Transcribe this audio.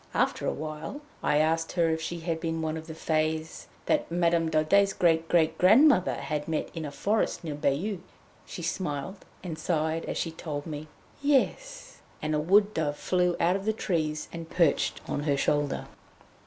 After awhile I asked her if she had been one of the Fées that Madame Daudet's great great grandmother had met in a forest near Bayeux. She smiled and sighed as she told me "Yes," and a wood dove flew out of the trees and perched on her shoulder.